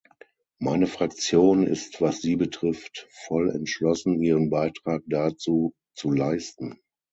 Meine Fraktion ist was sie betrifft voll entschlossen, ihren Beitrag dazu zu leisten.